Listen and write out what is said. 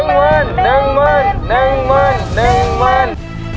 ดึงวินดึงวินดึงวินดึงวิน